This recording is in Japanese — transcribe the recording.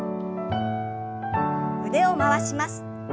腕を回します。